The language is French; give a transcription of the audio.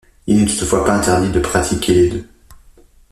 Il n'est toutefois pas interdit de pratiquer les deux.